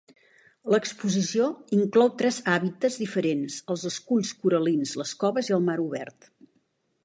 L'exposició inclou tres hàbitats diferents: els esculls coral·lins, les coves i el mar obert.